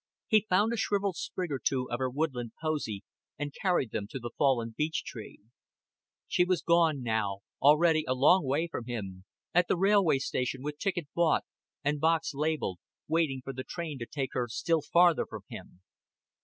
He found a shriveled sprig or two of her woodland posy, and carried them to the fallen beech tree. She was gone now already a long way from him at the railway station, with ticket bought, and box labeled, waiting for the train to take her still farther from him.